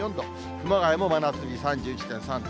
熊谷も真夏日３１．３度。